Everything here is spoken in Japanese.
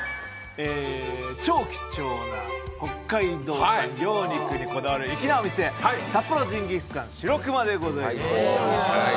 超希少な北海道産羊肉にこだわる粋な店、札幌成吉思汗しろくまでございます。